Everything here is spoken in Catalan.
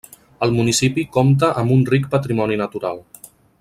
El municipi compta amb un ric patrimoni natural.